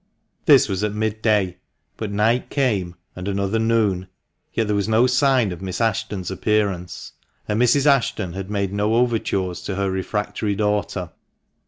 This was at mid day; but night came, and another noon, yet there was no sign of Miss Ashton's appearance ; and Mrs. Ashton had made no overtures to her refractory daughter.